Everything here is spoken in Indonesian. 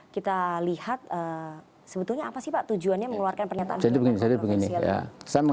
kita lihat sebetulnya apa sih pak tujuannya mengeluarkan pernyataan kontensial ini